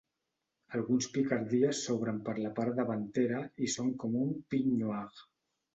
Alguns picardies s'obren per la part davantera i són com un "peignoir".